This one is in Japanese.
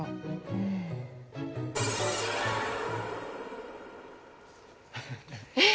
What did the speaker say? うん。えっ？